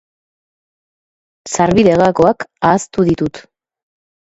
Sarbide-gakoak ahaztu ditut.